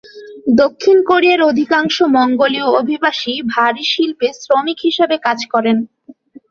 দক্ষিণ কোরিয়ার অধিকাংশ মঙ্গোলীয় অভিবাসী ভারী শিল্পে শ্রমিক হিসেবে কাজ করেন।